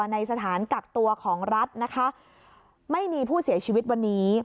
ในสถานกักตัวของรัฐนะคะไม่มีผู้เสียชีวิตวันนี้